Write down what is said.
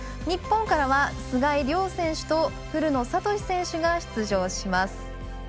日本からは須貝龍選手と古野慧選手が出場します。